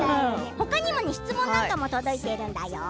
ほかにも質問なんかも届いているんだよ。